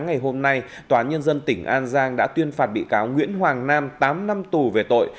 ngày hôm nay tòa nhân dân tỉnh an giang đã tuyên phạt bị cáo nguyễn hoàng nam tám năm tù về tội